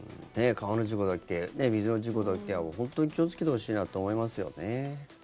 川の事故だけは水の事故だけは本当に気をつけてほしいなと思いますよね。